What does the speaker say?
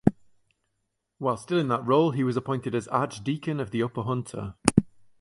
While still in that role he was appointed as Archdeacon of the Upper Hunter.